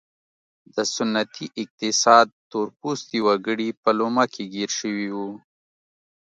د سنتي اقتصاد تور پوستي وګړي په لومه کې ګیر شوي وو.